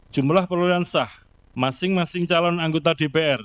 jumlah perolehan sah masing masing calon anggota dpr